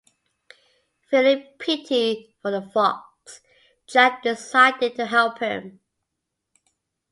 Feeling pity for the fox, Jack decided to help him.